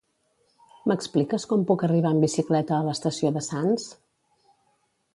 M'expliques com puc arribar en bicicleta a l'estació de Sants?